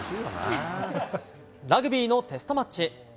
ラグビーのテストマッチ。